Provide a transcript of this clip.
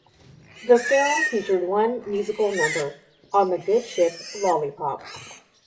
The film featured one musical number, "On the Good Ship Lollipop".